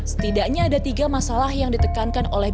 setidaknya ada tiga masalah yang ditekankan oleh